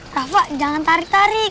rafa jangan tarik tarik